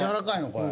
これ。